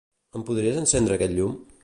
Ens podries encendre aquest llum?